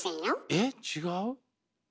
えっ違う？